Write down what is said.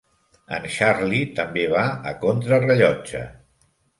En Charlie també va a contra rellotge.